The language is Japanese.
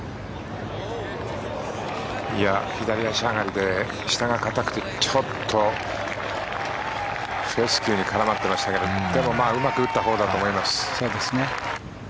左足上がりで下が硬くてちょっとフェスキューに絡まってましたけどでもうまく打ったほうだと思います。